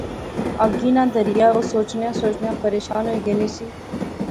اگی ناں دریا، او سوچنیاں سوچنیاں پریشان ہوئی گینی سی